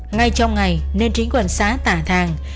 ngay trong ngày nên chính quân xã tà thàng